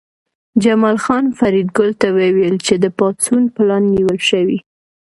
جمال خان فریدګل ته وویل چې د پاڅون پلان نیول شوی